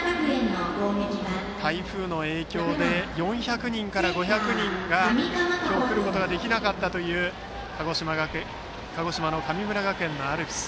台風の影響で４００人から５００人が今日、来ることができなかったという鹿児島の神村学園のアルプス。